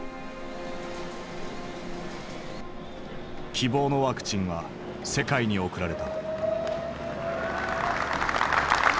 希望のワクチンは世界に送られた。